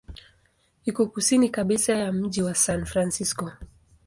Iko kusini kabisa ya mji wa San Francisco.